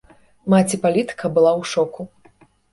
Маці палітыка была ў шоку.